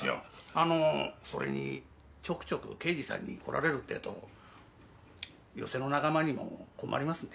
あのそれにちょくちょく刑事さんに来られるってぇと寄席の仲間にも困りますんで。